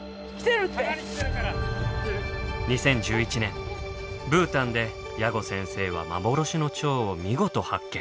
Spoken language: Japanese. ２０１１年ブータンで矢後先生は幻のチョウを見事発見！